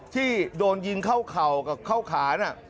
ที่โดนยิงเข้าเข่ากับเข้าขาน่ะ